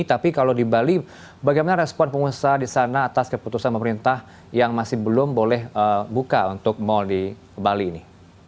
tapi kalau di bali bagaimana respon pengusaha di sana atas keputusan pemerintah yang masih belum boleh buka untuk mal di bali ini